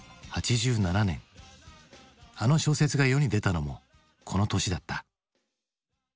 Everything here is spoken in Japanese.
あの小説が世に出たのもこの年だった。